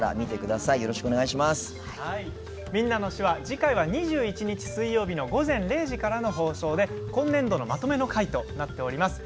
次回は、２１日水曜日の午前０時からの放送で、今年度のまとめの回となっております。